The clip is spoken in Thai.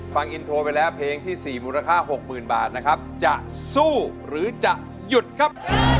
ฟังอินโทรไปแล้วเพลงที่๔มูลค่า๖๐๐๐บาทนะครับจะสู้หรือจะหยุดครับ